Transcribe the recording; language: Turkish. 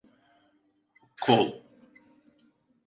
Kol…